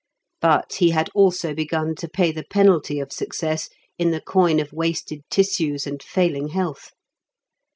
But he had also begun to pay the penalty of success in the coin of wasted tissues and failing health.